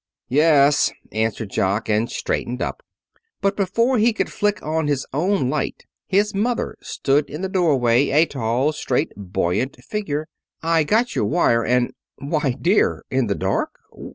"Yes," answered Jock, and straightened up. But before he could flick on his own light his mother stood in the doorway, a tall, straight, buoyant figure. "I got your wire and Why, dear! In the dark!